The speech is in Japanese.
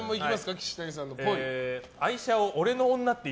岸谷さんのぽい。